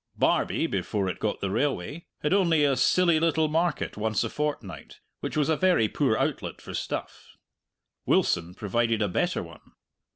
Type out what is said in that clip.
Barbie, before it got the railway, had only a silly little market once a fortnight, which was a very poor outlet for stuff. Wilson provided a better one.